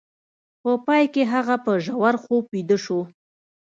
په پای کې هغه په ژور خوب ویده شو